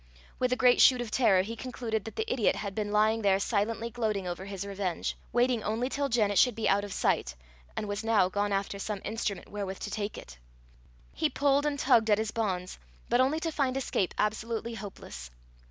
With a great shoot of terror he concluded that the idiot had been lying there silently gloating over his revenge, waiting only till Janet should be out of sight, and was now gone after some instrument wherewith to take it. He pulled and tugged at his bonds, but only to find escape absolutely hopeless.